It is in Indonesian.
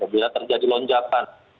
bila terjadi lonjakan